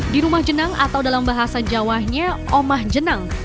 di rumah jenang atau dalam bahasa jawanya omah jenang